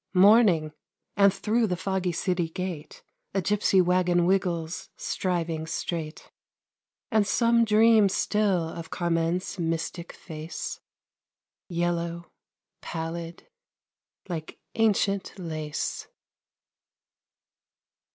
Morning: and through the foggy city gate A gypsy wagon wiggles, striving straight. And some dream still of Carmen's mystic face, Yellow, pallid, like ancient lace.